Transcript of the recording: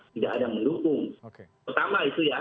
tidak ada mendukung pertama itu ya